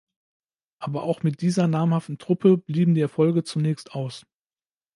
Aber auch mit dieser namhaften Truppe blieben die Erfolge zunächst aus.